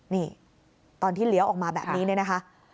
นี่ตอนที่เลี้ยวออกมาแบบนี้เนี่ยนะคะ